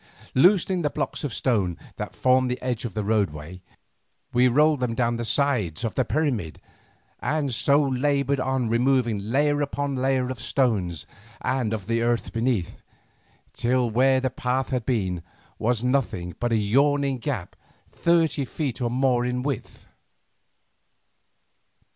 Loosening the blocks of stone that formed the edge of the roadway, we rolled them down the sides of the pyramid, and so laboured on removing layer upon layer of stones and of the earth beneath, till where the path had been, was nothing but a yawning gap thirty feet or more in width.